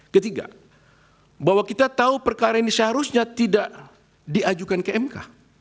ketiga bahwa kita tahu perkara ini seharusnya tidak diajukan ke mk